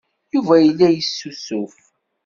Yuba yella yessusuf.